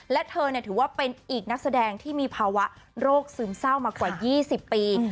และเธอถือว่าเป็นอีกนักแสดงที่มีภาวะโรคซึมเศร้ามากว่า๒๐ปี